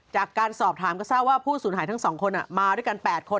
จากการสอบถามก็ทราบว่าผู้สูญหายทั้ง๒คนมาด้วยกัน๘คน